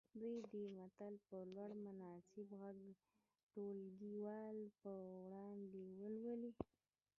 دوی دې متن په لوړ مناسب غږ ټولګیوالو په وړاندې ولولي.